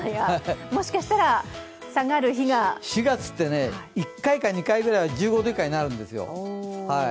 もしかしたら下がる日が４月って１回か２回ぐらいは１５度以下になるんですよ。